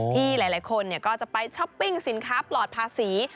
ที่หลายคนก็จะไปช้อปปิ้งสินค้าปลอดภาษี